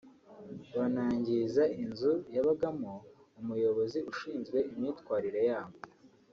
banangiza inzu yabagamo umuyobozi ushinzwe imyitwarire yabo